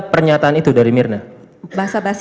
pernyataan itu dari mirna bahasa bahasa